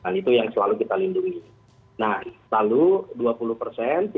nah itu yang selalu kita lindungi